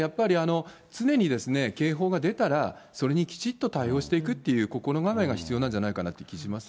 だからやっぱり、常に警報が出たら、それにきちっと対応していくっていう心構えが必要なんじゃないかという気がしますね。